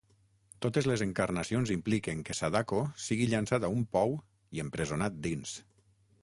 Totes les encarnacions impliquen que Sadako sigui llançat a un pou i empresonat dins.